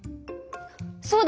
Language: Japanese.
そうだ！